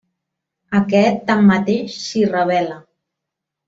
Aquest, tanmateix, s'hi rebel·la.